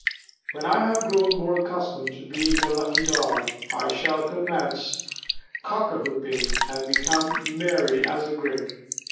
When I have grown more accustomed to being the lucky dog, I shall commence cockahooping, and become merry as a grig.